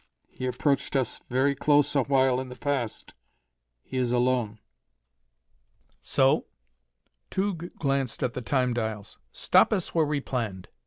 He approached us very close a while in the past. He is alone." "So?" Tugh glanced at the Time dials. "Stop us where we planned.